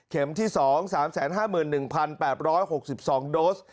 เข็มที่สองสามแสนห้าหมื่นหนึ่งพันแปบร้อยหกสิบสองโดส